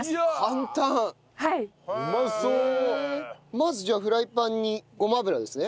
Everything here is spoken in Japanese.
まずじゃあフライパンにごま油ですね。